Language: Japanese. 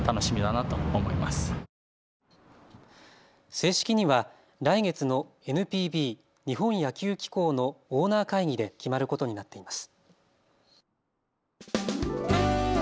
正式には来月のＮＰＢ・日本野球機構のオーナー会議で決まることになっています。